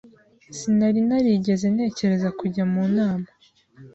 Sinari narigeze ntekereza kujya mu nama.